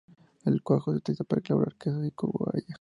El cuajo se utiliza para elaborar quesos y cuajada.